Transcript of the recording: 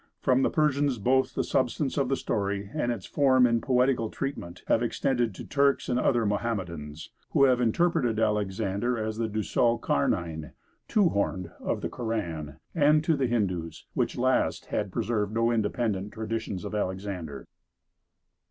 From the Persians both the substance of the story and its form in poetical treatment have extended to Turks and other Mohammedans, who have interpreted Alexander as the Dsulkarnein ('two horned') of the Koran, and to the Hindus, which last had preserved no independent traditions of Alexander.